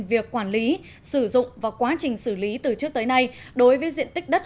việc quản lý sử dụng và quá trình xử lý từ trước tới nay đối với diện tích đất